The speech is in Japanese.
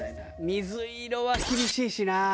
水色は厳しいしな。